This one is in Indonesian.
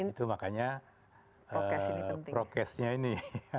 itu makanya prokesnya ini